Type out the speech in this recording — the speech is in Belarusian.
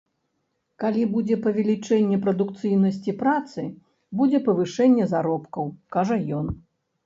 Калі будзе павелічэнне прадукцыйнасці працы, будзе павышэнне заробкаў, кажа ён.